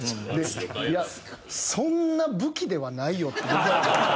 いやそんな武器ではないよ。